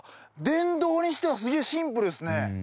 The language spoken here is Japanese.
電動にしてはすげーシンプルっすね